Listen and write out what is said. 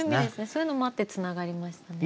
そういうのもあってつながりましたね。